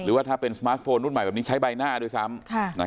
ว่าถ้าเป็นสมาร์ทโฟนรุ่นใหม่แบบนี้ใช้ใบหน้าด้วยซ้ำ